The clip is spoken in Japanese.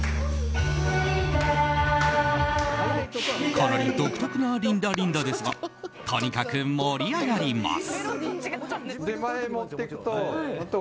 かなり独特な「リンダリンダ」ですがとにかく盛り上がります。